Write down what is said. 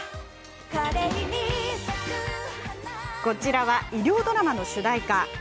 こちらは、医療ドラマの主題歌。